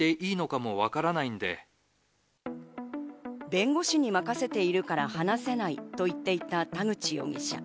弁護士に任せているから話せないと言っていた田口容疑者。